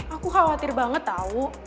aku khawatir banget tau